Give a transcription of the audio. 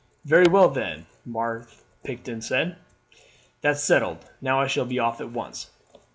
"Very well then," Marthe Pichon said. "That's settled, now I shall be off at once.